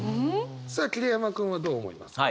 さあ桐山君はどう思いますか？